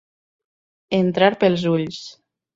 Entrar pels ulls.